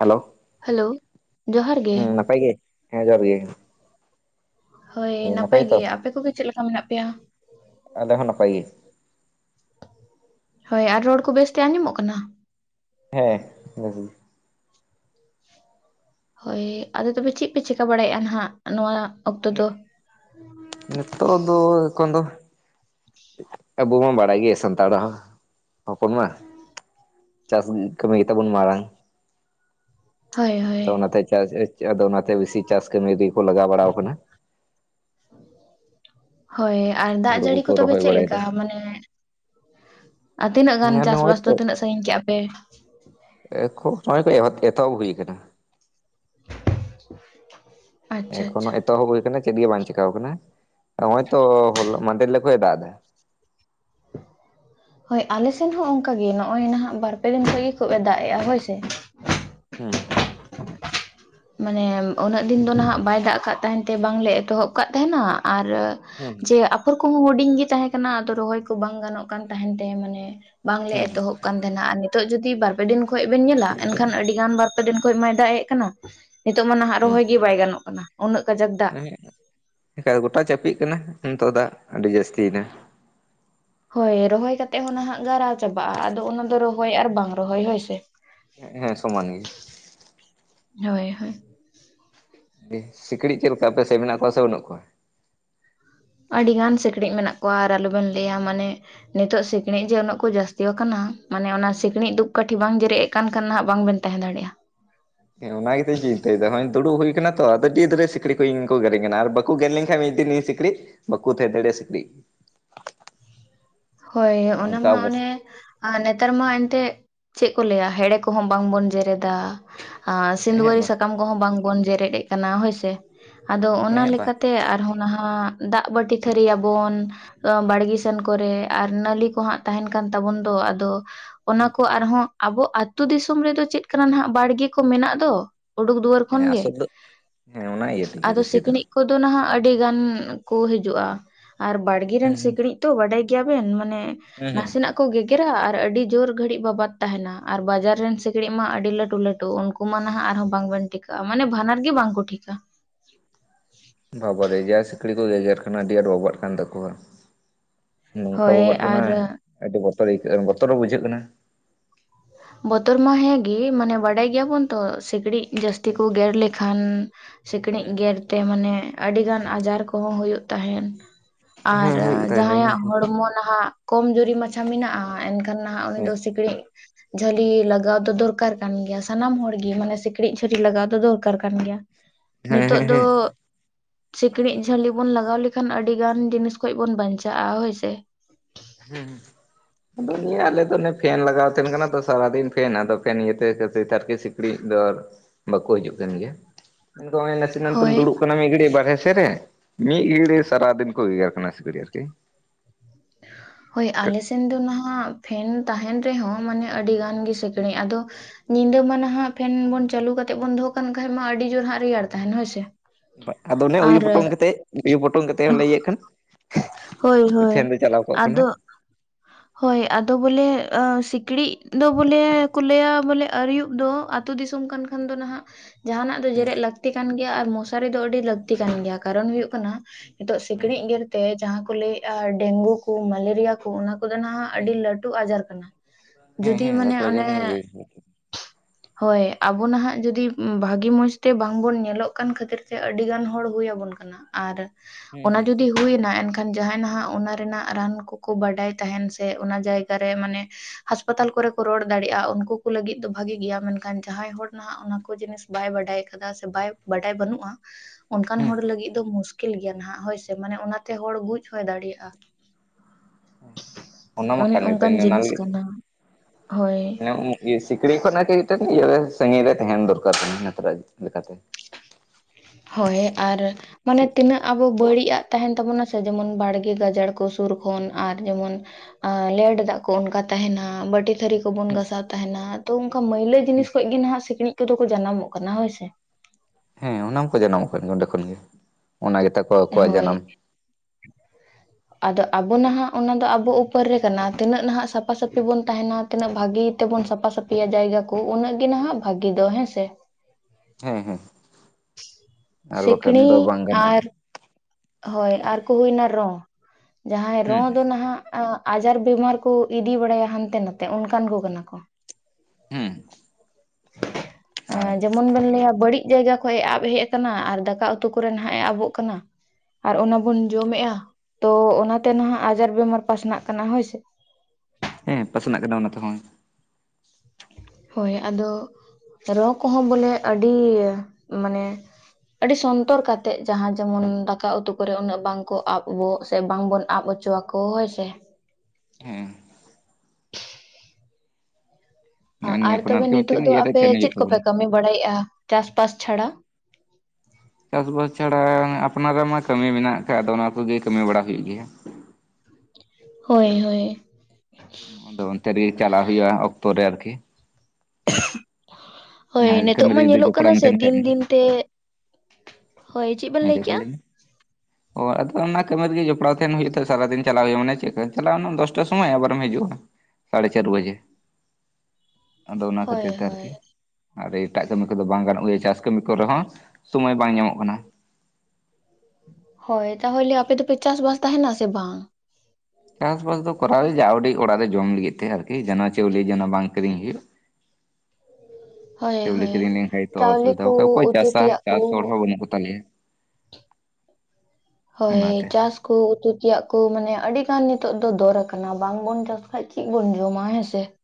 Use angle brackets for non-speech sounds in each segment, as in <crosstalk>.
Hello hello ᱡᱚᱦᱟᱨ ᱜᱮ ᱦᱩᱸ ᱱᱟᱯᱟᱭ ᱜᱮ ᱦᱮᱸ ᱡᱚᱦᱟᱨ ᱜᱮ ᱦᱳᱭ ᱱᱟᱯᱟᱭ ᱜᱮ ᱟᱯᱮ ᱠᱚᱜᱮ ᱪᱮᱫ ᱞᱮᱠᱟ ᱢᱮᱱᱟᱜ ᱯᱮᱭᱟ ᱟᱞᱮ ᱦᱚᱸ ᱱᱟᱯᱟᱭ ᱜᱮ ᱦᱳᱭ ᱟᱨ ᱨᱚᱲ ᱠᱚ ᱵᱮᱥᱛᱮ ᱟᱸᱡᱚᱢᱚᱜ ᱠᱟᱱᱟ ᱦᱮᱸ ᱵᱮᱥ ᱜᱮ ᱦᱳᱭ ᱟᱫᱚ ᱛᱚᱵᱮ ᱪᱮᱫ ᱯᱮ ᱪᱤᱠᱟᱹ ᱵᱟᱲᱟᱭᱮᱫ-ᱟ ᱱᱟᱦᱟᱜ ᱱᱚᱣᱟ ᱚᱠᱛᱚ ᱫᱚ ᱱᱤᱛᱚᱜ ᱫᱚ ᱮᱠᱷᱚᱱ ᱫᱚ ᱟᱵᱚ ᱢᱟ ᱵᱟᱲᱟᱭ ᱜᱮ ᱥᱟᱱᱛᱟᱲ ᱦᱚᱯᱚᱱ ᱢᱟ ᱪᱟᱥ ᱠᱟᱹᱢᱤ ᱜᱮᱛᱟ ᱵᱚᱱ ᱢᱟᱨᱟᱝ ᱦᱳᱭ ᱦᱳᱭ ᱟᱫᱚ ᱚᱱᱟᱛᱮ ᱪᱟᱥ ᱟᱫᱚ ᱚᱱᱟᱛᱮ ᱵᱮᱥᱤ ᱪᱟᱥ ᱠᱟᱹᱢᱤ ᱨᱮᱠᱚ ᱞᱟᱜᱟᱣ ᱵᱟᱲᱟ ᱠᱟᱱᱟ ᱦᱳᱭ ᱟᱨ ᱫᱟᱜ ᱦᱩᱲᱩ ᱡᱟᱹᱲᱤ ᱠᱚᱠᱚ ᱠᱚ ᱛᱚᱵᱮ ᱨᱚᱦᱚᱭ ᱪᱮᱫ ᱞᱮᱠᱟ ᱵᱟᱲᱟᱭᱮᱫᱟ ᱢᱟᱱᱮ ᱟᱨ ᱛᱤᱱᱟᱹᱜ ᱜᱟᱱ ᱦᱮᱸ ᱱᱚᱜᱼᱚᱭ ᱪᱟᱥᱵᱟᱥ ᱫᱚ ᱛᱤᱱᱟᱹᱜ ᱥᱟᱺᱜᱤᱧ ᱠᱮᱜ-ᱟ ᱯᱮ ᱮ ᱠᱷᱚᱱᱚᱜ-ᱚᱭ ᱠᱚ ᱮᱛ-ᱮᱛᱚᱦᱚᱵ ᱦᱩᱭ ᱟᱠᱟᱱᱟ ᱟᱪᱪᱷᱟ ᱮᱠᱷᱚᱱᱳ ᱟᱪᱪᱷᱟ ᱮᱛᱚᱦᱚᱵ ᱦᱩᱭ ᱟᱠᱟᱱᱟ ᱪᱮᱫ ᱜᱮ ᱵᱟᱝ ᱪᱤᱠᱟᱣ ᱟᱠᱟᱱᱟ ᱱᱚᱜ-ᱚᱭ ᱛᱚ ᱦᱚ ᱢᱟᱱᱫᱷᱮᱨ ᱦᱤᱞᱚᱜ ᱠᱷᱚᱡ ᱮ ᱫᱟᱜ ᱮᱫᱟ ᱦᱳᱭ ᱟᱞᱮᱥᱮᱱ ᱦᱚᱸ ᱚᱱᱠᱟ ᱜᱮ ᱱᱚᱜ-ᱚᱭ ᱱᱟᱦᱟᱸᱜ ᱵᱟᱨ ᱯᱮ ᱫᱤᱱ ᱠᱷᱚᱱ ᱜᱮ ᱠᱷᱩᱵᱽ ᱮ ᱫᱟᱜ ᱮᱫ-ᱟ ᱦᱳᱭ ᱥᱮ ᱦᱩᱸ ᱢᱟᱱᱮ ᱩᱱᱟᱹᱜ ᱫᱤᱱ ᱫᱚ ᱱᱟᱦᱟᱸᱜ ᱵᱟᱭ ᱫᱟᱜ ᱠᱟᱜ ᱛᱟᱦᱮᱱ ᱛᱮ ᱵᱟᱝᱞᱮ ᱮᱛᱚᱦᱚᱵ ᱠᱟᱜ ᱛᱟᱦᱮᱱᱟ ᱟᱨ ᱦᱩᱸ ᱡᱮ ᱟᱯᱷᱚᱨ ᱠᱚᱦᱚᱸ ᱦᱩᱰᱤᱧ ᱜᱮ ᱛᱟᱦᱮᱸᱠᱟᱱᱟ ᱟᱫᱚ ᱨᱚᱦᱚᱭ ᱠᱚ ᱵᱟᱝ ᱜᱟᱱᱚᱜ ᱠᱟᱱ ᱛᱟᱦᱮᱱᱛᱮ ᱢᱟᱱᱮ ᱵᱟᱝᱞᱮ ᱦᱩᱸ ᱮᱛᱚᱦᱚᱵ ᱛᱟᱦᱮᱱᱟ ᱟᱨ ᱱᱤᱛᱚᱜ ᱡᱩᱫᱤ ᱵᱟᱨ ᱯᱮ ᱫᱤᱱ ᱠᱷᱚᱱ ᱵᱮᱱ ᱧᱮᱞᱟ ᱮᱱᱠᱷᱟᱱ ᱟᱹᱰᱤᱜᱟᱱ ᱵᱟᱨ ᱯᱮ ᱫᱤᱱ ᱠᱷᱚᱱ ᱢᱟᱭ ᱫᱟᱜ ᱮᱡ ᱠᱟᱱᱟ ᱱᱤᱛᱚᱜ ᱢᱟ ᱱᱟᱦᱟᱜ ᱨᱚᱦᱚᱭ ᱜᱮ ᱵᱟᱭ ᱜᱟᱱᱚᱜ ᱠᱟᱱᱟ ᱩᱱᱟᱹᱜ ᱠᱟᱡᱟᱠ ᱫᱟᱜ ᱮᱠᱷᱚᱱ ᱜᱚᱴᱟ ᱪᱟᱯᱮᱜ ᱠᱟᱱᱟ ᱱᱤᱛᱚᱜ ᱫᱟᱜ ᱟᱹᱰᱤ ᱡᱟᱹᱥᱛᱤ ᱮᱱᱟ ᱦᱳᱭ ᱨᱚᱦᱚᱭ ᱠᱟᱛᱮᱜ ᱦᱚᱸ ᱱᱟᱦᱟᱜ ᱜᱟᱨᱟᱣ ᱪᱟᱵᱟᱜ-ᱟ ᱟᱫᱚ ᱚᱱᱟ ᱦᱚᱭ ᱟᱨ ᱵᱟᱝ ᱨᱚᱦᱚᱭ ᱦᱚᱭᱥᱮ ᱦᱮᱸ ᱥᱚᱢᱟᱱ ᱦᱚᱭ ᱦᱚᱭ ᱵᱮᱥ ᱥᱤᱠᱬᱤᱡ ᱪᱮᱫ ᱞᱮᱠᱟ ᱟᱯᱮ ᱥᱮᱡ ᱢᱮᱱᱟᱜ ᱠᱚᱣᱟ ᱥᱮ ᱵᱟᱹᱱᱩᱜ ᱠᱚᱣᱟ ᱟᱹᱰᱤᱜᱟᱱ ᱥᱤᱠᱬᱤᱡ ᱢᱮᱱᱟᱜ ᱠᱚᱣᱟ ᱟᱨ ᱟᱞᱚᱵᱮᱱ ᱞᱟᱹᱭᱟ ᱢᱟᱱᱮ ᱱᱤᱛᱚᱜ ᱥᱤᱠᱬᱤᱡ ᱡᱮ ᱩᱱᱟᱹᱜ ᱠᱚ ᱡᱟᱹᱥᱛᱤ ᱟᱠᱟᱱᱟ ᱢᱟᱱᱮ ᱚᱱᱟ ᱥᱤᱠᱬᱤᱡ ᱫᱩᱯ ᱠᱟᱹᱴᱷᱤ ᱵᱟᱝ ᱡᱮᱨᱮᱫ ᱟᱠ ᱠᱟᱱ ᱠᱷᱟᱱ ᱵᱟᱝ ᱵᱮᱱ ᱛᱟᱦᱮᱸ ᱫᱟᱲᱮᱭᱟᱜᱼᱟ ᱦᱮᱸ ᱚᱱᱟ ᱜᱮᱧ ᱪᱤᱱᱛᱟᱹᱭ ᱫᱟ ᱦᱚᱸᱜᱼᱚᱭ ᱫᱩᱲᱩᱵ ᱦᱩᱭ ᱠᱟᱱᱟ ᱛᱚ ᱟᱫᱚ ᱨᱮ ᱥᱤᱠᱲᱤᱡ ᱠᱚ ᱤᱧ ᱠᱚ ᱜᱮᱨᱤᱧ ᱠᱟᱱᱟ ᱟᱨ ᱵᱟ ᱠᱩ ᱜᱮᱨ ᱞᱤᱧ ᱠᱷᱟᱱ ᱢᱤᱫ ᱫᱤᱱ ᱤᱧ ᱥᱤᱠᱨᱤᱡ ᱵᱟᱠᱩ ᱛᱟᱸᱦᱮ ᱫᱟᱲᱮᱭᱟᱜᱼᱟ ᱥᱤᱠᱨᱤᱡ ᱦᱳᱭ ᱚᱱᱟ ᱢᱟ ᱚᱱᱮ ᱱᱮᱛᱟᱨ ᱢᱟ ᱮᱱᱛᱮᱜ ᱪᱮᱫ ᱠᱚ ᱞᱟᱹᱭᱟ ᱦᱮᱲᱮ ᱠᱚᱦᱚᱸ ᱵᱟᱝ ᱵᱚᱱ ᱡᱮᱨᱮᱫᱟ ᱟᱨ ᱦᱮᱸ ᱥᱤᱸᱫᱩᱣᱟᱹᱨᱤ ᱵᱟᱝ ᱥᱟᱠᱟᱢ ᱠᱚᱦᱚᱸ ᱵᱟᱝ ᱵᱚᱱ ᱡᱮᱨᱮᱫ ᱮ ᱠᱟᱱᱟ ᱦᱳᱭ ᱥᱮ ᱟᱫᱚ ᱚᱱᱟ ᱦᱮᱸ ᱵᱟᱝ ᱞᱮᱠᱟᱛᱮ ᱛᱮ ᱟᱨᱦᱚᱸ ᱱᱟᱦᱟᱜ ᱫᱟᱜ ᱵᱟᱹᱴᱤ ᱛᱷᱟᱹᱨᱤ ᱟᱵᱚᱱ ᱵᱟᱲᱜᱮ ᱥᱮᱱ ᱠᱚᱨᱮ ᱟᱨ ᱱᱟᱞᱤ ᱠᱚ ᱦᱟᱸᱜ ᱛᱟᱸᱦᱮᱱ ᱠᱟᱱ ᱛᱟᱵᱚᱱ ᱫᱚ ᱟᱫᱚ ᱚᱱᱟ ᱦᱮᱸ ᱠᱚ ᱟᱨᱦᱚᱸ ᱟᱵᱚ ᱟᱹᱛᱩ ᱫᱤᱥᱚᱢ ᱨᱮᱫᱚ ᱪᱮᱫ ᱠᱟᱱᱟ ᱱᱟᱟᱜ ᱵᱟᱲᱜᱮ ᱠᱚ ᱢᱮᱱᱟᱜ ᱫᱚ ᱩᱰᱳᱜ ᱫᱩᱣᱟᱹᱨ ᱦᱮᱸ ᱠᱷᱚᱱ ᱜᱮ ᱟᱥᱚᱞ ᱫᱚ ᱦᱮᱸ ᱚᱱᱟ ᱤᱭᱟᱹ ᱛᱮᱜᱮ ᱟᱫᱚ ᱵᱮᱥᱤ ᱫᱚ ᱥᱤᱠᱲᱤᱡ ᱠᱚᱫᱚ ᱱᱟᱦᱟᱜ ᱟᱹᱰᱤ ᱜᱟᱱ ᱠᱚ ᱦᱤᱡᱩᱜ-ᱟ ᱟᱨ ᱵᱟᱲᱜᱮ ᱨᱮᱱ ᱦᱩᱸ ᱦᱩᱸ ᱥᱤᱠᱲᱤᱡ ᱛᱚ ᱵᱟᱰᱟᱭ ᱜᱮ ᱜᱮᱭᱟ ᱵᱮᱱ ᱢᱟᱱᱮ ᱦᱩᱸ ᱦᱩᱸ ᱱᱟᱥᱮᱱᱟᱜ ᱠᱚ ᱜᱮᱜᱮᱨᱟ ᱟᱨ ᱟᱹᱰᱤ ᱡᱳᱨ ᱜᱷᱟᱹᱲᱤᱡ ᱵᱟᱵᱟᱫ ᱛᱟᱸᱦᱮᱱᱟ ᱟᱨ ᱵᱟᱡᱟᱨ ᱨᱮᱱ ᱥᱤᱠᱬᱤᱡ ᱢᱟ ᱟᱹᱰᱤ ᱞᱟᱹᱴᱩ ᱞᱟᱹᱴᱩ ᱩᱱᱠᱩ ᱠᱚ ᱢᱟᱱᱟ ᱦᱟᱜ ᱟᱨᱦᱚᱸ ᱵᱟᱝ ᱵᱮᱱ ᱴᱷᱤᱠᱟᱹᱜᱼᱟ ᱢᱟᱱᱮ ᱵᱟᱱᱟᱨ ᱜᱮ ᱵᱟᱝᱠᱚ ᱴᱷᱤᱠᱟ ᱵᱟᱵᱟᱨᱮ ᱡᱟ ᱥᱤᱠᱲᱤᱡ ᱠᱚ ᱜᱮᱜᱮᱨ ᱠᱟᱱᱟ ᱟᱹᱰᱤ ᱟᱸᱴ ᱵᱟᱵᱟᱫ ᱠᱟᱱᱟ ᱛᱟᱠᱚᱣᱟ ᱱᱚᱝᱠᱟ ᱦᱳᱭ ᱵᱟᱵᱟᱫ ᱠᱟᱱᱟ ᱟᱨ ᱟᱹᱰᱤ ᱵᱚᱛᱚᱨ ᱟᱹᱭᱠᱟᱹᱜ ᱵᱚᱛᱚᱨ ᱵᱩᱡᱷᱟᱹᱜ ᱠᱟᱱᱟ ᱵᱚᱛᱚᱨ ᱢᱟ ᱦᱮᱸ ᱜᱤ ᱢᱟᱱᱮ ᱵᱟᱰᱟᱭ ᱜᱮᱭᱟᱵᱚᱱ ᱛᱚ ᱥᱤᱠᱬᱤᱡ ᱡᱟᱹᱥᱛᱤ ᱦᱮᱸ ᱠᱚ ᱜᱮᱨ ᱞᱮᱠ ᱠᱷᱟᱱ ᱥᱤᱠᱬᱤᱡ ᱦᱮᱸ ᱜᱮᱨ ᱛᱮ ᱢᱟᱱᱮ ᱟᱹᱰᱤ ᱜᱟᱱ ᱟᱡᱟᱨ ᱠᱚᱦᱚᱸ ᱦᱩᱭᱩᱜ ᱛᱟᱦᱮᱸᱱ ᱟᱨ ᱦᱮᱸ ᱦᱩᱭᱩᱜ ᱛᱟᱦᱮᱱ ᱜᱮᱭᱟ ᱡᱟᱦᱟᱸᱭᱟᱜ ᱦᱮᱸ ᱦᱚᱲᱢᱚ ᱱᱟᱦᱟᱜ ᱠᱚᱢ ᱡᱩᱨᱤ ᱢᱟᱪᱷᱟ ᱢᱮᱱᱟᱜᱼᱟ ᱮᱱ ᱠᱷᱟᱱ ᱠᱷᱟᱱ ᱱᱟᱦᱟᱜ ᱩᱱᱤ ᱫᱚ ᱥᱤᱠᱬᱤᱡ ᱡᱷᱟᱹᱞᱤ ᱞᱟᱜᱟᱣ ᱫᱚ ᱫᱚᱨᱠᱟᱨ ᱠᱟᱱ ᱜᱮᱭᱟ ᱥᱟᱱᱟᱢ ᱦᱚᱲ ᱜᱮ ᱢᱟᱱᱮ ᱥᱤᱠᱬᱤᱡ ᱡᱷᱟᱹᱞᱤ ᱞᱟᱜᱟᱣ ᱫᱚ ᱫᱚᱨᱠᱟᱨ ᱠᱟᱱ ᱜᱮᱭᱟ <unintelligible> ᱱᱤᱛᱚᱜ ᱫᱚ ᱦᱮᱸ ᱥᱤᱠᱬᱤᱡ ᱡᱷᱟᱹᱞᱤ ᱵᱚᱱ ᱞᱟᱜᱟᱣ ᱞᱮᱠᱷᱟᱱ ᱟᱹᱰᱤ ᱜᱟᱱ ᱡᱤᱱᱤᱥ ᱠᱷᱚᱡ ᱵᱚᱱ ᱵᱟᱧᱪᱟᱜᱼᱟ ᱦᱳᱭ ᱥᱮ ᱦᱩᱸ ᱟᱫᱚ ᱱᱤᱭᱟᱹ ᱟᱞᱮ ᱫᱚ ᱚᱱᱮ ᱯᱷᱮᱱ ᱞᱟᱜᱟᱣ ᱛᱟᱸᱦᱮᱱ ᱠᱟᱱᱟ ᱛᱚ ᱥᱟᱨᱟᱫᱤᱱ ᱯᱷᱮᱱ ᱟᱫᱚ ᱯᱷᱮᱱ ᱤᱭᱟᱹᱛᱮ ᱠᱷᱟᱹᱛᱤᱨ ᱛᱮ ᱟᱨᱠᱤ ᱥᱤᱠ ᱥᱤᱠᱲᱤᱡ ᱫᱚ ᱵᱟᱠᱚ ᱦᱤᱡᱩᱜ ᱠᱟᱱ ᱜᱮᱭᱟ ᱢᱮᱱᱠᱚ ᱱᱚᱜᱼᱚᱭ ᱱᱟᱥᱮ ᱦᱳᱭ ᱫᱩᱲᱩᱵ ᱠᱟᱱᱟ ᱢᱤᱫ ᱜᱷᱟᱹᱲᱤᱡ ᱵᱟᱨᱦᱮ ᱥᱮᱫ ᱨᱮ ᱢᱤᱫ ᱜᱷᱟᱲᱤ ᱥᱟᱨᱟ ᱫᱤᱱ ᱠᱚ ᱜᱮᱜᱮᱨ ᱠᱟᱱᱟ ᱥᱤᱠᱲᱤᱡ ᱟᱨᱠᱤ ᱦᱳᱭ ᱟᱞᱮ ᱥᱮᱱ ᱫᱚ ᱱᱟᱦᱟᱜ ᱯᱷᱮᱱ ᱛᱟᱸᱦᱮᱱ ᱨᱮᱦᱚᱸ ᱢᱟᱱᱮ ᱟᱹᱰᱤ ᱜᱟᱱ ᱜᱮ ᱥᱤᱠᱲᱤᱡ ᱟᱫᱚ ᱧᱤᱫᱟᱹ ᱢᱟ ᱱᱟᱦᱟᱜ ᱯᱷᱮᱱ ᱵᱚᱱ ᱪᱟᱹᱞᱩ ᱠᱟᱛᱮᱜ ᱵᱚᱱ ᱫᱚᱦᱚ ᱠᱟᱱ ᱠᱷᱟᱡ ᱢᱟ ᱟᱹᱰᱤ ᱡᱳᱨ ᱦᱟᱸᱜ ᱨᱮᱭᱟᱲ ᱛᱟᱸᱦᱮᱱ ᱦᱳᱭ ᱥᱮ ᱟᱫᱚ ᱚᱱᱮ ᱩᱭᱩ ᱟᱨ ᱯᱚᱴᱚᱢ ᱠᱟᱛᱮᱫ ᱩᱭᱩ ᱯᱚᱴᱚᱢ ᱠᱟᱛᱮᱫ ᱦᱚᱸᱞᱮ ᱤᱭᱟᱹᱜ ᱠᱟᱱ ᱦᱳᱭ ᱦᱳᱭ ᱟᱫᱚᱜ ᱦᱳᱭ ᱟᱫᱚ ᱵᱚᱞᱮ ᱥᱤᱠᱬᱤᱡ ᱫᱚ ᱵᱚᱞᱮ ᱠᱚ ᱞᱟᱹᱭᱟ ᱵᱚᱞᱮ ᱟᱹᱭᱩᱵ ᱫᱚ ᱟᱹᱛᱩ ᱫᱤᱥᱚᱢ ᱠᱟᱱ ᱠᱷᱟᱱ ᱫᱚ ᱱᱟᱦᱟᱜ ᱡᱟᱸᱦᱟᱱᱟᱜ ᱫᱚ ᱦᱮᱸ ᱡᱮᱨᱮᱫ ᱞᱟᱹᱠᱛᱤ ᱠᱟᱱ ᱜᱮᱭᱟ ᱟᱨ ᱢᱚᱥᱟ ᱢᱚᱥᱟᱨᱤ ᱫᱚ ᱟᱹᱰᱤ ᱞᱟᱹᱠᱛᱤ ᱠᱟᱱ ᱜᱮᱭᱟ ᱠᱟᱨᱚᱱ ᱦᱩᱭᱩᱜ ᱠᱟᱱᱟ ᱱᱤᱛᱚᱜ ᱥᱤᱠᱲᱤᱡ ᱜᱮᱨ ᱛᱮ ᱡᱟᱦᱟᱸ ᱠᱚ ᱞᱟᱹᱭ ᱟᱨ ᱰᱮᱝᱜᱩ ᱠᱚ ᱢᱮᱞᱮᱨᱤᱭᱟ ᱠᱚ ᱚᱱᱟ ᱠᱚᱫᱚ ᱱᱟᱦᱟᱜ ᱦᱮᱸ ᱟᱹᱰᱤ ᱞᱟᱹᱴᱩ ᱟᱡᱟᱨ ᱠᱟᱱᱟ ᱦᱮᱸ ᱡᱩᱫᱤ ᱦᱮᱸ ᱢᱟᱱᱮ ᱞᱟᱴᱩ ᱟᱡᱟᱨ ᱚᱱᱮ ᱢᱟ <unintelligible> ᱦᱳᱭ ᱟᱵᱚ ᱱᱟᱦᱟᱜ ᱡᱩᱫᱤ ᱵᱷᱟᱹᱜᱤ ᱢᱚᱸᱡᱽᱛᱮ ᱵᱟᱝ ᱵᱚᱱ ᱧᱮᱞᱚᱜ ᱠᱟᱱ ᱠᱷᱟᱹᱛᱤᱨ ᱛᱮ ᱟᱹᱰᱤ ᱜᱟᱱ ᱦᱚᱲ ᱦᱩᱭ ᱟᱵᱚᱱ ᱠᱟᱱᱟ ᱟᱨ ᱚᱱᱟ ᱦᱮᱸ ᱡᱩᱫᱤ ᱦᱩᱭ ᱱᱟ ᱮᱱᱠᱷᱟᱱ ᱡᱟᱦᱟᱸᱭ ᱱᱟᱦᱟᱜ ᱚᱱᱟ ᱨᱮᱱᱟᱜ ᱨᱟᱱ ᱠᱚᱠᱚ ᱵᱟᱰᱟᱭ ᱛᱟᱸᱦᱮᱱ ᱥᱮ ᱚᱱᱟ ᱡᱟᱭᱜᱟ ᱨᱮ ᱢᱟᱱᱮ ᱦᱟᱸᱥᱯᱟᱛᱟᱞ ᱠᱚᱨᱮ ᱠᱚ ᱨᱚᱲ ᱫᱟᱲᱮᱭᱟᱜᱼᱟ ᱩᱱᱠᱩ ᱠᱚ ᱞᱟᱹᱜᱤᱫ ᱫᱚ ᱵᱷᱟᱹᱜᱤ ᱜᱮᱭᱟ ᱢᱮᱱ ᱠᱷᱟᱱ ᱡᱟᱦᱟᱸᱭ ᱦᱚᱲ ᱱᱟᱦᱟᱜ ᱚᱱᱟ ᱠᱚ ᱡᱤᱱᱤᱥ ᱵᱟᱭ ᱵᱟᱰᱟᱭ ᱠᱟᱫᱟ ᱥᱮ ᱵᱟᱭ ᱵᱟᱰᱟᱭ ᱵᱟᱹᱱᱩᱜᱼᱟ ᱾ ᱚᱱᱠᱟᱱ ᱦᱮᱸ ᱦᱚᱲ ᱞᱟᱹᱜᱤᱫ ᱫᱚ ᱢᱩᱥᱠᱤᱞ ᱜᱮᱭᱟ ᱱᱟᱦᱟᱜ ᱦᱳᱭ ᱥᱮ ᱢᱟᱱᱮ ᱚᱱᱟ ᱛᱮ ᱦᱚᱲ ᱵᱩᱡ ᱦᱚᱸᱭ ᱫᱟᱲᱮᱭᱟᱜᱼᱟ ᱾ ᱚᱱᱟ ᱢᱟ ᱚᱱᱮ ᱠᱟᱱ ᱜᱮ ᱚᱱᱠᱟᱱ ᱡᱤᱱᱤᱥ ᱠᱟᱱᱟ ᱾ ᱦᱮᱸ ᱩᱸ ᱤᱭᱟᱹ ᱥᱤᱠᱲᱤᱡ ᱠᱷᱚᱡ ᱚᱱᱟ ᱛᱮᱜᱮ ᱛᱚ ᱤᱭᱟᱹ ᱨᱮ ᱥᱟᱺᱜᱤᱧ ᱨᱮ ᱛᱟᱸᱦᱮᱱ ᱫᱚᱨᱠᱟᱨ ᱠᱟᱱᱟ <unintelligible> ᱞᱮᱠᱟᱛᱮ ᱾ ᱦᱳᱭ ᱟᱨ ᱢᱟᱱᱮ ᱛᱤᱱᱟᱹᱜ ᱼᱼ ᱟᱵᱚ ᱵᱟᱹᱲᱤᱡᱼᱟᱜ ᱛᱟᱸᱦᱮᱱ ᱛᱟᱵᱚᱱᱟ ᱥᱮ ᱡᱮᱢᱚᱱ ᱵᱟᱲᱜᱮ ᱜᱟᱡᱟᱲ ᱠᱚ ᱥᱩᱨ ᱠᱷᱚᱱ ᱟᱨ ᱡᱮᱢᱚᱱ ᱼᱼ ᱟ ᱞᱮᱰ ᱫᱟᱜ ᱠᱚ ᱚᱱᱠᱟ ᱛᱟᱸᱦᱮᱱᱟ ᱵᱟᱹᱴᱤ ᱼᱼ ᱛᱷᱟᱹᱨᱤ ᱠᱚ ᱵᱚᱱ ᱦᱩᱸ ᱜᱟᱥᱟᱣ ᱛᱟᱸᱦᱮᱱᱟ ᱛᱚ ᱚᱱᱠᱟ ᱢᱟᱹᱭᱞᱟᱹ ᱦᱩᱸ ᱡᱤᱱᱤᱥ ᱠᱷᱚᱡ ᱜᱮ ᱱᱟᱦᱟᱜ ᱥᱤᱠᱬᱤᱡ ᱠᱚ ᱫᱚ ᱠᱚ ᱡᱟᱱᱟᱢᱚᱜ ᱠᱟᱱᱟ ᱦᱳᱭ ᱥᱮ ᱾ ᱦᱮᱸ ᱚᱱᱟ ᱦᱚᱸᱠᱚ ᱡᱟᱱᱟᱢᱚᱜ ᱠᱟᱱ ᱜᱮᱭᱟ ᱚᱸᱰᱮ ᱠᱷᱚᱱ ᱜᱮ ᱾ ᱚᱱᱟ ᱜᱮ ᱛᱟᱠᱚ ᱼᱼ ᱦᱳᱭ ᱾ ᱟᱫᱚ ᱟᱵᱚ ᱱᱟᱦᱟᱜ ᱚᱱᱟ ᱫᱚ ᱟᱵᱚ ᱩᱯᱚᱨ ᱨᱮ ᱠᱟᱱᱟ ᱛᱤᱱᱟᱹᱜ ᱱᱟᱦᱟᱜ ᱥᱟᱯᱷᱟ ᱥᱟᱹᱯᱷᱤ ᱵᱚᱱ ᱛᱟᱦᱮᱱᱟ ᱼᱼ ᱛᱤᱱᱟᱹᱜ ᱵᱷᱟᱜᱤ ᱛᱮᱵᱚᱱ ᱥᱟᱯᱷᱟ ᱥᱟᱹᱯᱷᱤᱭᱟ ᱡᱟᱭᱜᱟ ᱠᱚ ᱩᱱᱟᱹᱜ ᱜᱮ ᱱᱟᱦᱟᱜ ᱵᱷᱟᱜᱤ ᱫᱚ ᱦᱮᱸ ᱥᱮ ᱾ ᱦᱮᱸ ᱦᱮᱸ ᱾ ᱥᱤᱸᱠᱲᱤᱡ ᱵᱟᱝ ᱟᱨ ᱜᱟᱱᱚᱜᱼᱟ ᱼᱼ ᱦᱳᱭ ᱟᱨ ᱠᱚ ᱦᱩᱭᱮᱱᱟ ᱨᱚᱸ ᱡᱟᱦᱟᱸᱭ ᱦᱩᱸ ᱨᱚᱸ ᱫᱚ ᱱᱟᱦᱟᱜ ᱼᱼ ᱟᱡᱟᱨ ᱵᱤᱢᱟᱨ ᱠᱩ ᱤᱫᱤ ᱵᱟᱲᱟᱭᱟ ᱦᱟᱱᱛᱮ ᱱᱟᱛᱮ ᱚᱱᱠᱟᱱ ᱠᱩ ᱠᱟᱱᱟ ᱠᱚ ᱾ ᱦᱩᱸ ᱾ ᱮᱸ ᱡᱮᱢᱚᱱ ᱵᱮᱱ ᱞᱟᱹᱭᱟ ᱵᱟᱹᱲᱤᱡ ᱼᱼ ᱡᱟᱭᱜᱟ ᱠᱷᱚᱡ ᱮ ᱟᱵ ᱦᱮᱡ ᱟᱠᱟᱱᱟ ᱟᱨ ᱫᱟᱠᱟ ᱩᱛᱩ ᱠᱚᱨᱮ ᱱᱟᱦᱟᱜ ᱮ ᱟᱵᱚᱜ ᱠᱟᱱᱟ ᱾ ᱟᱨ ᱚᱱᱟ ᱵᱚᱱ ᱡᱚᱢᱮᱜᱼᱟ ᱛᱚ ᱚᱱᱟᱛᱮ ᱱᱟᱦᱟᱜ ᱟᱡᱟᱨ ᱵᱮᱢᱟᱨ ᱯᱟᱥᱱᱟᱜ ᱠᱟᱱᱟ ᱦᱳᱭ ᱥᱮ ᱾ ᱦᱮᱸ ᱯᱟᱥᱱᱟᱜ ᱠᱟᱱᱟ ᱚᱱᱟ ᱛᱮᱦᱚᱸ ᱾ ᱦᱳᱭ ᱟᱫᱚ ᱨᱚᱸ ᱠᱚᱸᱦᱚ ᱵᱚᱞᱮ ᱟᱹᱰᱤ ᱢᱟᱱᱮ ᱼᱼ ᱟᱹᱰᱤ ᱥᱚᱱᱛᱚᱨ ᱠᱟᱛᱮᱫ ᱡᱟᱦᱟᱸ ᱡᱮᱢᱚᱱ ᱫᱟᱠᱟ ᱩᱛᱩ ᱠᱚᱨᱮ ᱩᱱᱟᱹᱜ ᱵᱟᱝ ᱠᱚ ᱟᱵᱚᱜ ᱥᱮ ᱵᱟᱝ ᱵᱚᱱ ᱟᱵ ᱦᱚᱪᱚ ᱟᱠᱚ ᱼᱼ ᱠᱚ ᱦᱳᱭ ᱥᱮ ᱾ ᱦᱮᱸ ᱾ ᱱᱮᱜᱼᱮ ᱱᱤᱭᱟᱹ ᱟᱨ ᱠᱷᱚᱱ ᱛᱚᱵᱮ ᱟᱨᱠᱤ ᱱᱤᱛᱚᱜ ᱢᱤᱫᱴᱮᱱ ᱫᱚ ᱤᱭᱟᱹᱨᱮ ᱟᱯᱮ ᱛᱟᱦᱮᱱ ᱪᱮᱫ ᱦᱩᱭᱩᱜ ᱠᱚᱯᱮ ᱛᱟᱵᱚᱱᱟ ᱠᱟᱹᱢᱤ ᱵᱟᱲᱟᱭᱮᱜᱼᱟ ᱪᱟᱥ ᱵᱟᱥ ᱪᱷᱟᱲᱟ? ᱪᱟᱥᱵᱟᱥ ᱪᱷᱟᱲᱟ ᱟᱯᱱᱟᱨᱟᱜ ᱢᱟ ᱠᱟᱹᱢᱤ ᱢᱮᱱᱟᱜ ᱟᱠᱟᱜ ᱟᱫᱚ ᱚᱱᱟ ᱠᱚᱜᱮ ᱠᱟᱹᱢᱤ ᱵᱟᱲᱟ ᱦᱩᱭᱩᱜ ᱜᱮᱭᱟ ᱾ ᱦᱳᱭ ᱦᱳᱭ ᱾ ᱫᱚ ᱚᱱᱛᱮ ᱨᱮ ᱜᱤ ᱪᱟᱞᱟᱜ ᱦᱩᱭᱩᱜᱼᱟ ᱚᱠᱛᱚ ᱨᱮ ᱟᱨᱠᱤ ᱾ ᱦᱳᱭ ᱡᱟᱦᱟᱸ ᱱᱤᱛᱳᱜ ᱠᱟᱹᱢᱤ ᱨᱮ ᱢᱟ ᱡᱩᱫᱤ ᱧᱮᱞᱚᱜ ᱡᱚᱯᱲᱟᱣ ᱠᱟᱱᱟ ᱮᱢ ᱥᱮ ᱛᱟᱦᱮᱱ ᱠᱷᱟᱡ ᱫᱤᱱ ᱦᱮᱸ ᱫᱤᱱᱛᱮ ᱼᱼ ᱦᱮᱸ ᱪᱮᱜ ᱞᱮᱠᱟ ᱠᱮᱜᱼᱟ? ᱞᱟ. ᱭ ᱢᱮ ᱾ ᱚᱻ ᱟᱫᱚ ᱚᱱᱟ ᱠᱟᱹᱢᱤ ᱨᱮᱜᱤ ᱡᱚᱯᱲᱟᱣ ᱛᱟᱦᱮᱱ ᱦᱩᱭᱩᱜ ᱛᱮ ᱥᱟᱨᱟ ᱫᱤᱱ ᱪᱟᱞᱟᱜ ᱦᱩᱭᱩᱜᱼᱟ ᱢᱟᱱᱮ ᱪᱮᱫ ᱞᱮᱠᱟ ᱪᱟᱞᱟᱣ ᱮᱱᱟᱢ ᱫᱚᱥᱴᱟ ᱥᱚᱢᱚᱭ ᱟᱵᱟᱨᱮᱢ ᱦᱤᱡᱩᱜᱼᱟ ᱼᱼ ᱥᱟᱲᱮ ᱪᱟᱨ ᱵᱟᱡᱮ ᱾ ᱟᱫᱚ ᱚᱱᱟ ᱦᱳᱭ ᱠᱷᱟᱹᱛᱤᱨ ᱛᱮ ᱦᱳᱭ ᱟᱨᱠᱤ ᱼᱼ ᱟᱨ ᱮᱴᱟᱜ ᱠᱟᱹᱢᱤ ᱠᱚ ᱫᱚ ᱵᱟᱝ ᱜᱟᱱᱚᱜᱼᱟ ᱪᱟᱥ ᱠᱟᱹᱢᱤ ᱠᱚ ᱨᱮᱦᱚᱸ ᱥᱚᱢᱚᱭ ᱵᱟᱝ ᱧᱟᱢᱚᱜ ᱠᱟᱱᱟ ᱾ ᱦᱳᱭ ᱛᱟᱦᱚᱞᱮ ᱟᱯᱮ ᱫᱚ ᱯᱮ ᱪᱟᱥᱵᱟᱥ ᱛᱟᱦᱮᱱᱟ ᱥᱮ ᱵᱟᱝ? ᱪᱟᱥᱵᱟᱥ ᱫᱚ ᱠᱚᱨᱟᱣ ᱦᱩᱭᱩᱜ ᱡᱟ ᱩᱰᱤ ᱚᱲᱟᱜ ᱨᱮ ᱡᱚᱢ ᱞᱟᱹᱜᱤᱫ ᱛᱮ ᱟᱨᱠᱤ ᱡᱮᱱᱚ ᱪᱟᱣᱞᱤ ᱡᱮᱱᱚ ᱵᱟᱝ ᱠᱤᱨᱤᱧ ᱦᱩᱭᱩᱜ ᱾ ᱦᱳᱭ ᱪᱟᱣᱞᱤ ᱦᱳᱭ ᱠᱤᱨᱤᱧ ᱞᱮᱱᱠᱷᱟᱡ ᱜᱮ ᱛᱚ ᱪᱟᱣᱞᱮ ᱚᱥᱩᱵᱤᱫᱷᱟ ᱠᱚ ᱵᱟᱠᱷᱟᱡ ᱚᱠᱚᱭ ᱩᱛᱩ ᱪᱟᱥᱼᱟᱭ ᱛᱮᱭᱟᱜ ᱠᱚ ᱪᱟᱥ ᱦᱚᱲ ᱦᱚᱸ ᱵᱟᱹᱱᱩᱜ ᱠᱚ ᱛᱟᱞᱮᱭᱟ ᱾ ᱦᱳᱭ ᱪᱟᱥ ᱼᱼ ᱠᱚ ᱩᱛᱩ ᱛᱮᱭᱟᱜ ᱠᱚ ᱢᱟᱱᱮ ᱟᱹᱰᱤ ᱜᱟᱱ ᱱᱤᱛᱚᱜ ᱫᱚ ᱫᱚᱨ ᱟᱠᱟᱱᱟ ᱵᱟᱝ ᱵᱚᱱ ᱪᱟᱥ ᱠᱷᱟᱡ ᱪᱮᱫ ᱵᱚᱱ ᱡᱚᱢᱟ ᱦᱮᱸ ᱥᱮ ᱾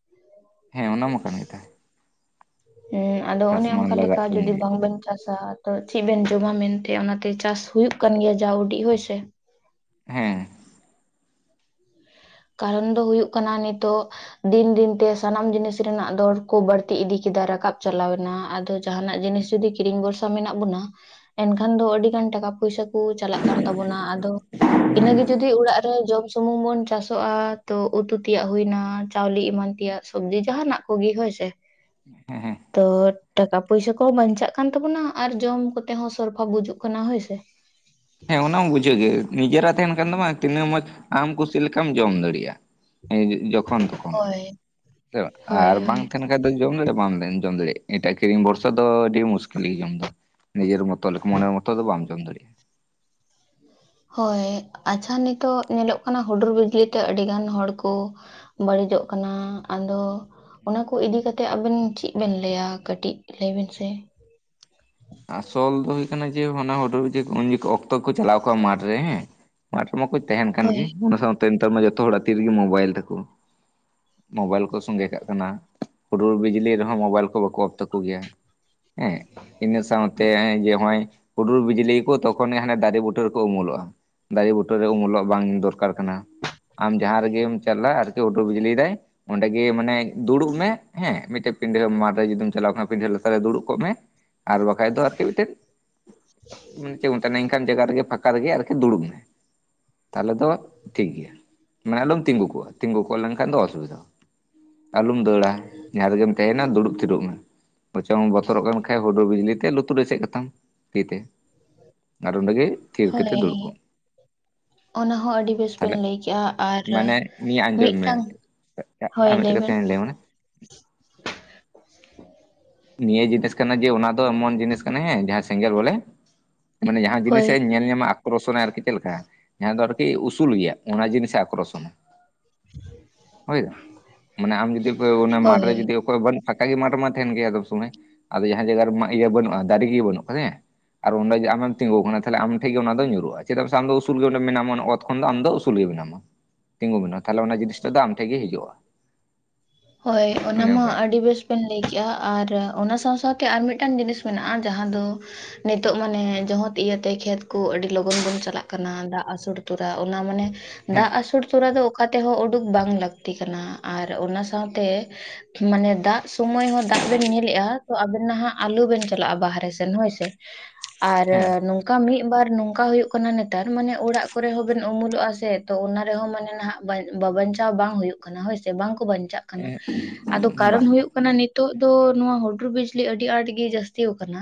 ᱦᱮᱸ ᱚᱱᱟ ᱢᱟ ᱠᱟᱱ ᱜᱮ ᱛᱟᱦᱮᱸ ᱾ ᱦᱩᱸ ᱟᱫᱚ ᱚᱱᱮ ᱢᱟ ᱚᱱᱠᱟ ᱞᱟᱜᱟᱜ ᱞᱮᱠᱟ ᱛᱟᱵᱚᱱ ᱡᱩᱫᱤ ᱜᱮ ᱵᱟᱝ ᱵᱮᱱ ᱪᱟᱥᱼᱟ ᱼᱼ ᱛᱚ ᱪᱤᱫ ᱵᱮᱱ ᱡᱚᱢᱟ ᱢᱮᱱᱛᱮ ᱚᱱᱟᱛᱮ ᱪᱟᱥ ᱦᱩᱭᱩᱜ ᱠᱟᱱ ᱜᱮᱭᱟ ᱡᱟ ᱩᱰᱤᱜ ᱦᱳᱭ ᱥᱮ ᱾ ᱦᱮᱸ ᱾ ᱠᱟᱨᱚᱱ ᱫᱚ ᱦᱩᱭᱩᱜ ᱠᱟᱱᱟ ᱱᱤᱛᱳᱜ ᱼᱼ ᱫᱤᱱ ᱫᱤᱱᱛᱮ ᱥᱟᱱᱟᱢ ᱡᱤᱱᱤᱥ ᱨᱮᱱᱟᱜ ᱫᱚᱨ ᱠᱚ ᱵᱟᱹᱲᱛᱤ ᱤᱫᱤ ᱠᱮᱫᱟ ᱨᱟᱠᱟᱵ ᱪᱟᱞᱟᱣ ᱮᱱᱟ ᱟᱫᱚ ᱼᱼ ᱡᱟᱦᱱᱟᱜ ᱡᱤᱱᱤᱥ ᱡᱩᱫᱤ ᱠᱤᱨᱤᱧ ᱵᱷᱚᱨᱥᱟ ᱢᱮᱱᱟᱜ ᱵᱚᱱᱟ ᱮᱱᱠᱷᱟᱱ ᱫᱚ ᱟᱹᱰᱤ ᱜᱟᱱ ᱴᱟᱠᱟ ᱯᱚᱭᱥᱟ ᱼᱼ ᱠᱩ ᱪᱟᱞᱟᱜ ᱠᱟᱱ ᱛᱟᱵᱚᱱᱟ ᱟᱫᱚ ᱤᱱᱟᱹᱜᱮ ᱡᱩᱫᱤ ᱚᱲᱟᱜ ᱨᱮ ᱡᱚᱢ ᱥᱩᱢᱩᱝ ᱵᱚᱱ ᱪᱟᱥ ᱼᱼ <unintelligible> ᱛᱚ ᱩᱛᱩ ᱛᱮᱭᱟᱜ ᱦᱩᱭᱱᱟ ᱪᱟᱣᱞᱮ ᱮᱢᱟᱱ ᱛᱮᱭᱟᱜ ᱥᱚᱵᱡᱤ ᱡᱟᱦᱟᱱᱟᱜ ᱠᱚ ᱜᱤ ᱦᱳᱭ ᱥᱮ ᱾ ᱦᱮᱸ ᱦᱮᱸ ᱛᱚ ᱴᱟᱠᱟ ᱯᱚᱭᱥᱟ ᱠᱚᱦᱚᱸ ᱵᱟᱧᱪᱟᱜ ᱠᱟᱱ ᱛᱟᱵᱚᱱᱟ ᱟᱨ ᱡᱚᱢ ᱠᱚᱛᱮ ᱦᱚᱸ ᱥᱚᱨᱯᱷᱟ ᱵᱩᱡᱩᱜ ᱠᱟᱱᱟ ᱦᱳᱭᱥᱮ <inaudible> ᱦᱮᱸ ᱚᱱᱟ ᱢᱟ ᱵᱩᱡᱷᱟᱹᱜ ᱜᱮ ᱱᱤᱡᱮᱨᱟᱜ ᱛᱟᱦᱮᱱ ᱠᱷᱟᱱ ᱫᱚ ᱵᱟᱝ ᱛᱤᱱᱟᱹᱜ ᱢᱚᱡ ᱟᱢ ᱠᱩᱥᱤ ᱞᱮᱠᱟᱢ ᱡᱚᱢ ᱫᱟᱲᱤᱭᱟᱜ ᱡᱚᱠᱷᱚᱱ ᱛᱚᱠᱷᱚᱱ ᱦᱳᱭ ᱦᱳᱭ ᱟᱨ ᱦᱳᱭ ᱵᱟᱝ ᱛᱟᱦᱮᱱ ᱦᱮᱸᱛᱚ ᱡᱚᱢ ᱫᱟᱲᱤᱜ ᱵᱟᱢ ᱜᱮᱢ ᱡᱚᱢ ᱫᱟᱲᱤᱜ ᱮᱴᱟᱜ ᱠᱤᱨᱤᱧ ᱵᱷᱚᱨᱥᱟ ᱫᱚ ᱟᱰᱤ ᱢᱩᱥᱠᱤᱞ ᱜᱮ ᱡᱚᱢ ᱫᱚ ᱱᱤᱡᱮᱨ ᱢᱚᱛᱚ ᱞᱮᱠ ᱢᱚᱱᱮᱨ ᱢᱚᱛᱚ ᱫᱚ ᱵᱟᱢ ᱡᱚᱢ ᱫᱟᱲᱤᱜ-ᱟ ᱦᱳᱭ ᱦᱳᱭ ᱟᱪᱪᱷᱟ ᱱᱤᱛᱚᱜ ᱧᱮᱞᱚᱜ ᱠᱟᱱᱟ ᱦᱩᱰᱩᱨ ᱵᱤᱡᱽᱞᱤ ᱛᱮ ᱟᱹᱰᱤ ᱜᱟᱱ ᱦᱚᱲ ᱠᱚ ᱵᱟᱹᱲᱤᱡᱚᱜ ᱠᱟᱱᱟ ᱟᱫᱚ ᱚᱱᱟ ᱠᱚ ᱤᱫᱤ ᱠᱟᱛᱮᱜ ᱟᱵᱤᱱ ᱪᱮᱫ ᱵᱮᱱ ᱞᱟᱹᱭᱟ ᱠᱟᱹᱴᱤᱡ ᱞᱟᱹᱭ ᱵᱤᱱ ᱥᱮ ᱟᱥᱚᱞ ᱫᱚ ᱦᱩᱭᱩᱜ ᱠᱟᱱᱟ ᱡᱮ ᱦᱟᱱᱟ ᱦᱩᱰᱩᱨ ᱡᱮ ᱩᱱ ᱚᱠᱛᱚ ᱠᱚ ᱪᱟᱞᱟᱣ ᱠᱚᱜᱼᱟ ᱢᱟᱴᱷ ᱨᱮ ᱦᱮᱸ ᱢᱟᱴᱷ ᱨᱮᱢᱟᱠᱚ ᱛᱟᱦᱮᱱ ᱠᱟᱱ ᱦᱳᱭ ᱜᱮ ᱚᱱᱟ ᱥᱟᱶᱛᱮ ᱱᱮᱛᱟᱨ ᱢᱟ ᱡᱚᱛᱚ ᱦᱚᱲᱟᱜ ᱛᱤ ᱨᱮᱜᱮ ᱢᱳᱵᱟᱭᱤᱞ ᱛᱟᱠᱚ ᱢᱳᱚᱵᱟᱭᱤᱞ ᱠᱚ ᱥᱚᱸᱜᱮ ᱠᱟᱜ ᱠᱟᱱᱟ ᱦᱩᱰᱩᱨ ᱵᱤᱡᱽᱞᱤ ᱨᱮᱦᱚᱸ ᱢᱳᱚᱵᱟᱭᱤᱞ ᱠᱚ ᱵᱟᱠᱚ ᱚᱯᱷ ᱛᱟᱠᱚ ᱜᱮᱭᱟ ᱦᱮᱸ <inaudible> ᱤᱱᱟᱹ ᱥᱟᱶᱛᱮ ᱡᱮ ᱱᱚᱜᱚᱭ ᱦᱩᱰᱩᱨ ᱵᱤᱡᱽᱞᱤ ᱠᱚ ᱛᱚᱠᱷᱚᱱ ᱜᱮ ᱦᱟᱱᱮ ᱫᱟᱨᱮ ᱵᱩᱴᱟᱹ ᱨᱮ ᱠᱚ ᱩᱢᱩᱞᱚᱜᱼᱟ ᱫᱟᱨᱮ ᱵᱩᱴᱟᱹᱨᱮ ᱩᱢᱩᱞᱚᱜ ᱵᱟᱝ ᱫᱚᱨᱠᱟᱨ ᱠᱟᱱᱟ ᱟᱢ ᱡᱟᱦᱟᱸ ᱨᱮᱜᱮᱢ ᱪᱟᱞᱟᱜ ᱟᱨ <inaudible> ᱵᱤᱡᱽᱞᱤ ᱫᱟᱭ ᱚᱸᱰᱮᱜ ᱜᱮ ᱢᱟᱱᱮ ᱫᱩᱲᱩᱵ ᱢᱮ ᱦᱮᱸ ᱢᱤᱫᱴᱮᱡ ᱯᱤᱰᱷᱟᱹ ᱢᱟᱴᱷ ᱨᱮ ᱡᱩᱫᱤᱢ ᱪᱟᱞᱟᱣ ᱠᱷᱟᱱ ᱯᱤᱰᱷᱟᱹ ᱞᱟᱛᱟ ᱨᱮ ᱫᱩᱲᱩᱵ ᱠᱚᱜ ᱢᱮ ᱟᱨ ᱵᱟᱠᱷᱟ ᱫᱚ ᱟᱨᱠᱤ ᱢᱤᱫᱴᱮᱱ ᱢᱟᱱ ᱪᱮᱫ ᱢᱮᱱᱟ ᱮᱱᱠᱟᱱ ᱡᱟᱭᱜᱟ ᱨᱮᱜᱮ ᱯᱷᱟᱠᱟ ᱨᱮᱜᱮ ᱟᱨᱠᱤ ᱱᱩᱨᱩᱵ ᱢᱮ ᱛᱟᱦᱚᱞᱮ ᱫᱚ ᱴᱷᱤᱠ ᱜᱮᱭᱟ ᱢᱟᱱᱮ ᱟᱞᱚᱢ ᱛᱤᱸᱜᱩ ᱠᱚᱜᱼᱟ ᱛᱤᱜᱩ ᱠᱚᱜ ᱞᱮᱱᱠᱷᱟᱱ ᱫᱚ ᱚᱥᱩᱵᱤᱫᱷᱟ ᱟᱞᱚᱢ ᱫᱟᱹᱲᱟ ᱡᱟᱦᱟᱸ ᱨᱮᱜᱮᱢ ᱛᱟᱦᱮᱱᱟ ᱫᱩᱲᱩᱵ ᱛᱤᱲᱩᱵ ᱢᱮ ᱵᱚᱛᱚᱨᱚᱜ ᱠᱟᱱ ᱠᱷᱟᱡ <inaudible> ᱵᱤᱡᱽᱞᱤ ᱛᱮ ᱞᱩᱛᱩᱨ ᱥᱮᱫ ᱠᱟᱛᱟᱢ ᱛᱤ ᱛᱮ ᱟᱨ ᱚᱸᱰᱮ ᱜᱮ ᱛᱷᱤᱨ ᱠᱟᱛᱮ ᱦᱳᱭ ᱫᱩᱲᱩᱵ ᱠᱚᱢ ᱚᱱᱟ ᱦᱚᱸ ᱟᱹᱰᱤ ᱵᱮᱥ ᱵᱮᱱ ᱞᱟᱹᱭ ᱠᱮᱜᱼᱟ ᱟᱨ ᱢᱟᱱᱮ ᱱᱤᱭᱟᱹ ᱟᱸᱡᱚᱢ ᱢᱮ ᱢᱤᱫᱴᱟᱝ <unintelligible> ᱦᱳᱭ ᱟᱨ ᱢᱤᱫᱴᱤᱡ ᱞᱟᱹᱭ ᱵᱮᱱ ᱠᱟᱛᱷᱟᱧ ᱞᱟᱹᱭᱟᱢᱟ ᱠᱟᱱᱟ ᱱᱤᱭᱟᱹ ᱡᱤᱱᱤᱥ ᱠᱟᱱᱟ ᱡᱮ ᱚᱱᱟ ᱫᱚ ᱮᱢᱚᱱ ᱡᱤᱱᱤᱥ ᱠᱟᱱᱟ ᱦᱮᱸ ᱡᱟᱦᱟᱸ ᱥᱮᱸᱜᱮᱞ ᱵᱚᱞᱮ ᱢᱟᱱᱮ ᱡᱟᱦᱟᱸ ᱡᱤᱱᱤᱥ ᱦᱳᱭ ᱮ ᱧᱮᱞ ᱧᱟᱢᱟ ᱟᱠᱚᱨᱥᱚᱱᱟ ᱟᱨᱠᱤ ᱪᱮᱫ ᱞᱮᱠᱟ ᱡᱟᱦᱟᱸ ᱫᱚ ᱟᱨᱠᱤ ᱩᱥᱩᱞ ᱜᱮᱭᱟ ᱚᱱᱟ ᱡᱤᱱᱤᱥᱮ ᱟᱠᱨᱚᱥᱚᱱᱟ ᱦᱳᱭ ᱢᱟᱱᱮ ᱟᱢ ᱡᱩᱫᱤ ᱚᱱᱟ ᱦᱳᱭ ᱢᱟᱴᱷᱨᱮ ᱡᱩᱫᱤ ᱚᱠᱚᱭ ᱵᱟᱹᱱᱩᱜ ᱯᱷᱟᱸᱠᱟ ᱜᱮ ᱢᱟᱴᱷ ᱢᱟ ᱛᱟᱦᱮᱱ ᱜᱮᱭᱟ ᱮᱫᱚᱢ ᱥᱚᱢᱚᱭ ᱟᱫᱚ ᱡᱟᱦᱟᱸ ᱡᱟᱭᱜᱟ ᱨᱮ ᱤᱭᱟᱹ ᱵᱟᱹᱱᱩᱜᱼᱟ ᱫᱟᱨᱮ ᱜᱮ ᱵᱟᱹᱱᱩᱜ ᱦᱮᱸ ᱟᱨ ᱚᱸᱰᱮ ᱜᱮ ᱟᱢᱮᱢ ᱛᱤᱸᱜᱩ ᱟᱠᱟᱱᱟ ᱛᱟᱦᱞᱮ ᱟᱢ ᱴᱷᱮᱱ ᱜᱮ ᱚᱱᱟ ᱫᱚ ᱧᱩᱨᱩᱜᱼᱟ ᱪᱮᱫᱟᱜ ᱥᱮ ᱟᱢᱫᱚ ᱩᱥᱩᱞ ᱜᱮ ᱚᱸᱰᱮ ᱢᱮᱱᱟᱢ ᱛᱚᱠᱷᱚᱱ ᱫᱚ ᱟᱢ ᱫᱚ ᱩᱥᱩᱞ ᱜᱮ ᱢᱮᱱᱟᱢᱟ ᱛᱤᱸᱜᱩ ᱢᱮᱱᱟᱢᱟ ᱛᱟᱦᱚᱞᱮ ᱚᱱᱟ ᱡᱤᱱᱤᱥᱴᱟᱜ ᱫᱚ ᱟᱢ ᱴᱷᱮᱱ ᱜᱮ ᱦᱤᱡᱩᱜᱼᱟ ᱦᱳᱭ ᱚᱱᱟ ᱚᱱᱮ ᱢᱟ ᱚᱱᱠᱟᱭᱟ ᱟᱹᱰᱤ ᱵᱮᱥ ᱵᱮᱱ ᱞᱟᱹᱭ ᱠᱮᱜᱼᱟ ᱟᱨ ᱚᱱᱟ ᱥᱟᱶ ᱥᱟᱶ ᱛᱮ ᱟᱨ ᱢᱤᱫᱴᱟᱱ ᱡᱤᱱᱤᱥ ᱢᱮᱱᱟᱜᱼᱟ ᱡᱟᱦᱟᱸ ᱫᱚ ᱱᱤᱛᱚᱜ ᱢᱟᱱᱮ ᱡᱚᱛ ᱤᱭᱟᱹᱛᱮ ᱠᱷᱮᱛ ᱠᱚ ᱟᱹᱰᱤ ᱞᱚᱜᱚᱱ ᱵᱚᱱ ᱪᱟᱞᱟᱜ ᱠᱟᱱᱟ ᱫᱟᱜ ᱟᱹᱥᱳᱨ ᱠᱮᱫᱟ ᱚᱱᱟ ᱢᱟᱱᱮ ᱦᱮᱸ ᱫᱟᱜ ᱟᱥᱩᱨ ᱛᱚᱨᱟ ᱫᱚ ᱚᱠᱟ ᱛᱮᱦᱚᱸ ᱩᱰᱩᱠ ᱵᱟᱝ ᱞᱟᱹᱠᱛᱤ ᱠᱟᱱᱟ ᱟᱨ ᱚᱱᱟ ᱥᱟᱶᱛᱮ ᱢᱟᱱᱮ ᱫᱟᱜ ᱥᱩᱢᱚᱭ ᱦᱚᱸ ᱫᱟᱜ ᱵᱮᱱ ᱧᱮᱞᱮᱜᱼᱟ ᱛᱚ ᱟᱵᱮᱱ ᱱᱟᱦᱟᱜ ᱟᱞᱩ ᱵᱮᱱ ᱪᱟᱞᱟᱜᱼᱟ ᱵᱟᱦᱨᱮ ᱥᱮᱱ ᱦᱳᱭ ᱥᱮ <inaudible> ᱟᱨᱦᱚ ᱢᱤᱫ ᱵᱟᱨ ᱱᱚᱝᱠᱟ ᱦᱩᱭᱩᱜ ᱠᱟᱱᱟ ᱱᱮᱛᱟᱨ ᱢᱟᱱᱮ ᱚᱲᱟᱜ ᱠᱚᱨᱮ ᱦᱚᱸᱵᱚᱱ ᱩᱢᱩᱞᱚᱜᱼᱟ ᱥᱮ ᱛᱚ ᱚᱱᱟ ᱨᱮᱦᱚᱸ ᱢᱟᱱᱮ ᱱᱟᱦᱟᱜ ᱵᱟᱧᱪᱟᱣ ᱵᱟᱝ ᱦᱩᱭᱩᱜ ᱠᱟᱱᱟ ᱦᱳᱭ ᱥᱮ ᱵᱟᱝᱠᱚ ᱵᱟᱧᱪᱟᱜ ᱠᱟᱱᱟ ᱟᱫᱚ ᱦᱮᱸ ᱵᱟ ᱠᱟᱨᱚᱱ ᱦᱩᱭᱩᱜ ᱠᱟᱱᱟ ᱱᱤᱛᱚᱜ ᱫᱚ ᱱᱚᱣᱟ ᱦᱩᱰᱩᱨ ᱵᱤᱡᱽᱞᱤ ᱟᱹᱰᱤ ᱟᱸᱴ ᱜᱮ ᱡᱟᱹᱥᱛᱤ ᱟᱠᱟᱱᱟ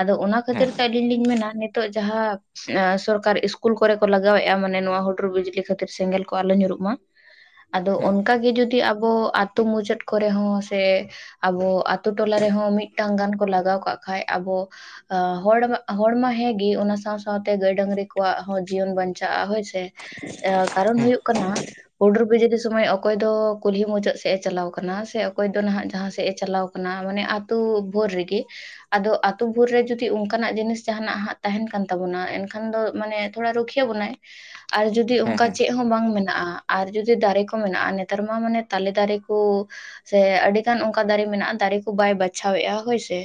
ᱟᱫᱚ ᱚᱱᱟ ᱦᱮᱸ ᱠᱷᱟᱹᱛᱤᱨ ᱛᱮ ᱟᱹᱞᱤᱧ ᱞᱤᱧ ᱢᱮᱱᱟ ᱱᱤᱛᱚᱜ ᱡᱟᱦᱟᱸ ᱥᱚᱨᱠᱟᱨ ᱤᱥᱠᱩᱞ ᱠᱚᱨᱮ ᱠᱚ ᱞᱟᱜᱟᱣᱮᱫᱼᱟ ᱢᱟᱱᱮ ᱱᱚᱣᱟ ᱦᱩᱰᱩᱨ ᱵᱤᱡᱽᱞᱤ ᱠᱷᱟᱹᱛᱤᱨ ᱥᱮᱸᱜᱮᱞ ᱠᱚ ᱟᱞᱚ ᱧᱩᱨᱩᱜ ᱢᱟ <inaudible> ᱟᱫᱚ ᱚᱱᱠᱟᱜ ᱜᱮ ᱡᱩᱫᱤ ᱟᱵᱚ ᱟᱛᱳ ᱢᱩᱪᱟᱹᱫ ᱠᱚᱨᱮ ᱦᱚᱸ ᱥᱮ ᱟᱵᱚ ᱟᱛᱳ ᱴᱚᱞᱟ ᱨᱮᱦᱚᱸ ᱢᱤᱫᱴᱟᱝ ᱜᱟᱱ ᱠᱚ ᱞᱟᱜᱟᱣ ᱠᱟᱜ ᱠᱷᱟᱱ ᱟᱵᱚ ᱦᱚᱲ ᱦᱚᱲᱢᱟ ᱦᱮᱸᱜᱮ ᱚᱱᱟ ᱥᱟᱶ ᱥᱟᱶ ᱛᱮ ᱜᱟᱹᱭ ᱰᱟᱺᱝᱨᱤ ᱠᱚᱣᱟᱜ ᱦᱚᱸ ᱡᱤᱭᱚᱱ ᱵᱟᱧᱪᱟᱜᱼᱟ ᱦᱳᱭ ᱥᱮ ᱠᱟᱨᱚᱱ ᱦᱮᱸ ᱦᱩᱭᱩᱜ ᱠᱟᱱᱟ ᱦᱩᱰᱩᱨ ᱵᱤᱡᱽᱞᱤ ᱥᱚᱢᱚᱭ ᱚᱠᱚᱭ ᱫᱚ ᱠᱩᱞᱦᱤ ᱢᱩᱪᱟᱹᱫ ᱥᱮ ᱥᱮᱜ ᱮ ᱪᱟᱞᱟᱣ ᱟᱠᱟᱱᱟ ᱥᱮ ᱚᱠᱚᱭ ᱫᱚ ᱱᱟᱦᱟᱜ ᱡᱟᱦᱟᱸ ᱥᱮᱡ ᱮ ᱪᱟᱞᱟᱣ ᱟᱠᱟᱱᱟ ᱢᱟᱱᱮ ᱟᱛᱩ ᱵᱷᱳᱨ ᱨᱮᱜᱮ ᱟᱫᱚ ᱟᱛᱩ ᱵᱷᱳᱨ ᱨᱮ ᱡᱚᱫᱤ ᱚᱱᱠᱟᱱᱟᱜ ᱡᱤᱱᱤᱥ ᱡᱟᱦᱟᱱᱟᱜ ᱦᱟᱸᱜ ᱛᱟᱦᱮᱱ ᱠᱟᱱ ᱛᱟᱵᱚᱱᱟ ᱮᱱᱠᱷᱟᱱ ᱫᱚ ᱢᱟᱱᱮ ᱛᱷᱚᱲᱟ ᱨᱩᱠᱷᱤᱭᱟᱹ ᱵᱚᱱᱟᱭ ᱟᱨ ᱡᱩᱫᱤ ᱦᱮᱸ ᱚᱱᱠᱟ ᱦᱮᱸ ᱪᱮᱫ ᱦᱚᱸ ᱵᱟᱝ ᱢᱮᱱᱟᱜᱼᱟ ᱟᱨ ᱡᱩᱫᱤ ᱫᱟᱨᱮ ᱠᱚ ᱢᱮᱱᱟᱜᱼᱟ ᱱᱮᱛᱟᱨ ᱢᱟ ᱢᱟᱱᱮ ᱛᱟᱞᱮ ᱫᱟᱨᱮ ᱥᱮ ᱟᱹᱰᱤ ᱜᱟᱱ ᱚᱱᱠᱟ ᱫᱟᱨᱮ ᱢᱮᱱᱟᱜᱼᱟ ᱫᱟᱨᱮ ᱠᱚ ᱵᱟᱭ ᱵᱟᱪᱷᱟᱣ ᱮᱼᱟ ᱦᱳᱭᱥᱮ᱾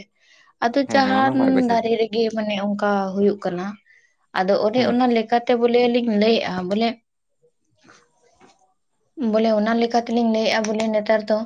ᱟᱫᱚ ᱦᱮᱸ ᱦᱮᱸ ᱡᱟᱦᱟᱱᱻ ᱚᱱᱟ ᱵᱟᱭ ᱵᱟᱡᱷᱟᱣ ᱫᱟᱨᱮ ᱨᱮᱜᱮ ᱢᱟᱱᱮ ᱚᱱᱠᱟ ᱦᱩᱭᱩᱜ ᱠᱟᱱᱟ᱾ ᱟᱫᱚ ᱚᱱᱮ ᱦᱮᱸ ᱚᱱᱟ ᱞᱮᱠᱟᱛᱮ ᱵᱚᱞᱮ ᱞᱤᱧ ᱞᱟᱹᱭᱮᱼᱟ ᱵᱚᱞᱮ ᱵᱚᱞᱮ ᱚᱱᱟ ᱞᱮᱠᱟ ᱛᱮᱞᱤᱧ ᱞᱟᱹᱭᱮᱼᱟ ᱵᱚᱞᱮ ᱱᱮᱛᱟᱨ ᱫᱚ